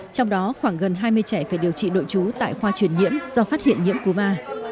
trong đó khoảng gần hai mươi trẻ phải điều trị đội trú tại khoa truyền nhiễm do phát hiện nhiễm cúm